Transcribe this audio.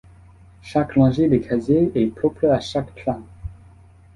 Chaque rangée de casiers est propre à chaque train.